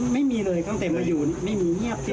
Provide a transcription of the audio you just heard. ไม่มีเลยตั้งแต่มาอยู่ไม่มีเงียบสิ